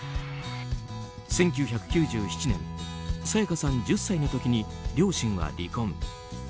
１９９７年沙也加さん１０歳の時に両親は離婚。